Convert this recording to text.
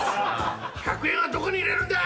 １００円はどこに入れるんだ